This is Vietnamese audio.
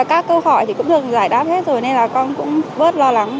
các câu hỏi thì cũng được giải đáp hết rồi nên là con cũng bớt lo lắng